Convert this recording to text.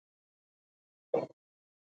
• ودانیو کې د اوبو او رڼا سیستمونه عصري شول.